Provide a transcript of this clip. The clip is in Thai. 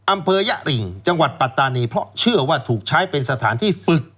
อำเภอยะริงจังหวัดปัตตานีเพราะเชื่อว่าถูกใช้เป็นสถานที่ฝึก